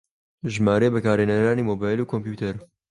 ژمارەی بەکارهێنەرانی مۆبایل و کۆمپیوتەر